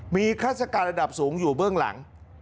มีฆาติการระดับสูงอยู่เบื้องหลัง